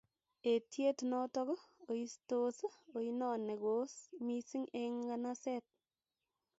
Etyet notok oitos oinoni koos missing eng nganaseet.